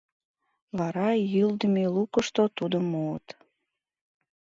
Вара йӱлыдымӧ лукышто тудым муыт.